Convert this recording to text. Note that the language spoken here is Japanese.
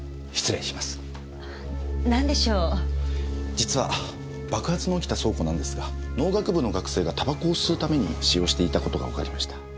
実は爆発の起きた倉庫なんですが農学部の学生が煙草を吸うために使用していたことがわかりました。